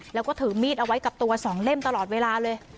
แล้วก็ถือมีดเอาไว้กับตัว๒เล่มตลอดเวลาเลย